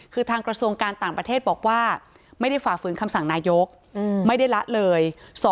คือทางกระทรวงการต่างประเทศบอกว่าไม่ได้ฝ่าฝืนคำสั่งนายกไม่ได้ละเลย